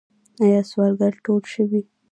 آیا سوالګر ټول شوي؟